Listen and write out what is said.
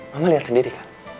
mama lihat sendiri kan